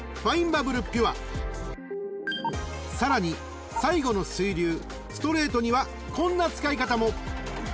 ［さらに最後の水流ストレートにはこんな使い方も］